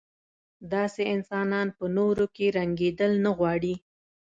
داسې انسانان په نورو کې رنګېدل نه غواړي.